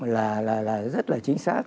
là rất là chính xác